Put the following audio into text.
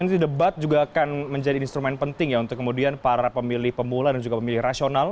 nanti debat juga akan menjadi instrumen penting ya untuk kemudian para pemilih pemula dan juga pemilih rasional